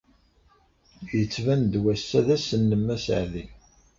Yettban-d wass-a d ass-nnem aseɛdi.